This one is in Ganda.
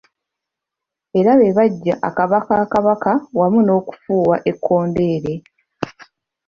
Era be baggya akaba ka Kabaka wamu n'okufuuwa ekkondeere.